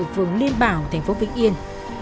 phường liên bảo tp vĩnh yên